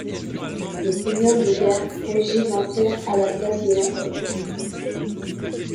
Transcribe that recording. Le Seigneur de guerre régit l'empire à la place de l'Empereur.